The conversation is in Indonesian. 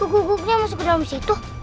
eh kukukunya masuk ke dalam situ